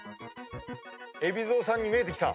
海老蔵さんに見えてきた。